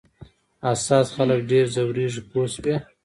حساس خلک ډېر ځورېږي پوه شوې!.